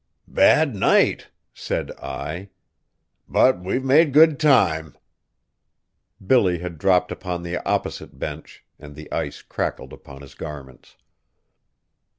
"Bad night," said Ai, "but we've made good time." Billy had dropped upon the opposite bench, and the ice crackled upon his garments.